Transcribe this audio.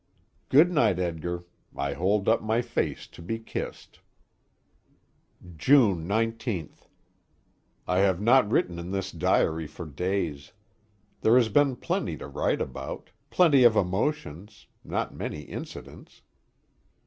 Good night, Edgar. I hold up my face to be kissed. June 19th. I have not written in this diary for days. There has been plenty to write about plenty of emotions, not many incidents.